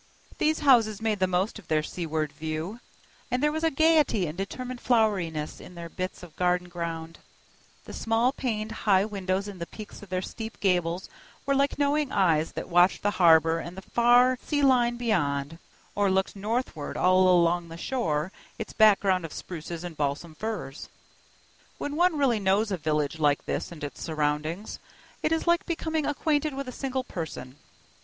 These houses made the most of their seaward view, and there was a gayety and determined floweriness in their bits of garden ground; the small paned high windows in the peaks of their steep gables were like knowing eyes that watched the harbor and the far sea line beyond, or looked northward all along the shore and its background of spruces and balsam firs. When one really knows a village like this and its surroundings, it is like becoming acquainted with a single person.